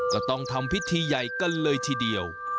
ก็ต้องทำพิธีใหญ่กันเลยทีเดียว